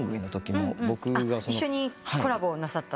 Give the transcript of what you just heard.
一緒にコラボをなさったと。